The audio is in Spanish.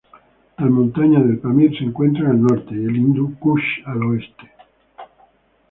Las montañas del Pamir se encuentran al norte y el Hindu Kush al oeste.